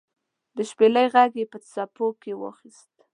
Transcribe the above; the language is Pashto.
د شپیلۍ ږغ یې په څپو کې واخیست